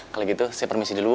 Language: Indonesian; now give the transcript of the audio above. kalau gitu saya permisi dulu